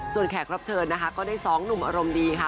ส่วนแขกรับเชิญนะคะก็ได้๒หนุ่มอารมณ์ดีค่ะ